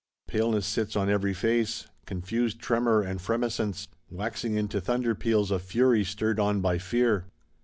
Paleness sits on every face; confused tremor and fremescence; waxing into thunder peals, of Fury stirred on by Fear.